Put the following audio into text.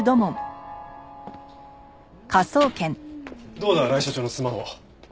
どうだ新井所長のスマホ。